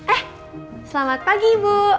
eh selamat pagi ibu